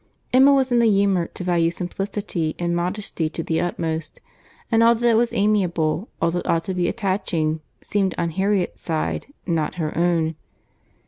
Emma was in the humour to value simplicity and modesty to the utmost; and all that was amiable, all that ought to be attaching, seemed on Harriet's side, not her own.